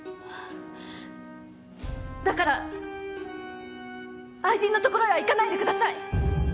だから愛人のところへは行かないでください！